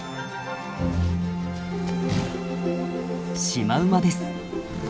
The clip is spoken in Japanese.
シマウマです。